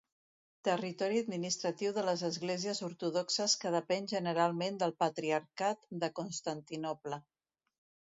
Territori administratiu de les esglésies ortodoxes que depèn generalment del patriarcat de Constantinoble.